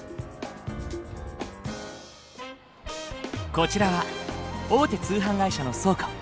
こちらは大手通販会社の倉庫。